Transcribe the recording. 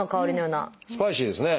スパイシーですね。